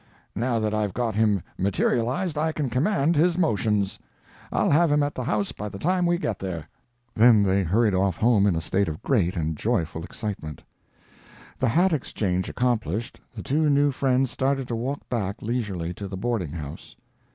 Now that I've got him materialized, I can command his motions. I'll have him at the house by the time we get there." Then they hurried off home in a state of great and joyful excitement. The hat exchange accomplished, the two new friends started to walk back leisurely to the boarding house.